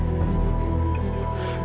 untuk mempermalukan harga diriku